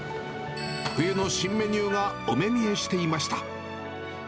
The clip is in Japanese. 冬の新メニューがお目見えしていました。